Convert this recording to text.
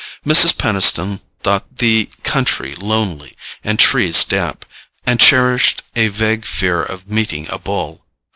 Mrs. Peniston thought the country lonely and trees damp, and cherished a vague fear of meeting a bull.